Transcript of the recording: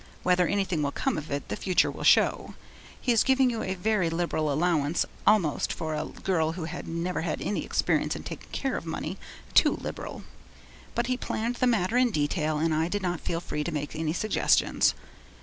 Whether anything will come of it, the future will show. He is giving you a very liberal allowance, almost, for a girl who has never had any experience in taking care of money, too liberal. But he planned the matter in detail, and I did not feel free to make any suggestions.